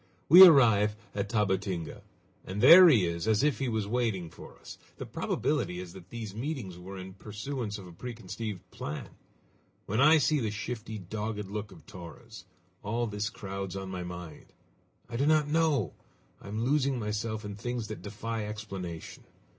We arrive at Tabatinga, and there he is as if he was waiting for us! The probability is that these meetings were in pursuance of a preconceived plan. When I see the shifty, dogged look of Torres, all this crowds on my mind. I do not know! I am losing myself in things that defy explanation!